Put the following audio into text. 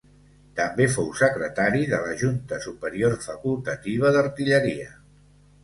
També fou Secretari de la Junta Superior Facultativa d'Artilleria.